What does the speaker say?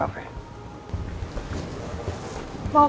ah ceceng atau